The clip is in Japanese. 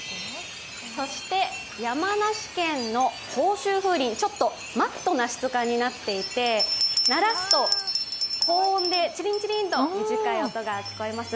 そして、山梨県の甲州風鈴、ちょっとマットな質感になっていて鳴らすと、高温でチリンチリンと短い音が聞こえます。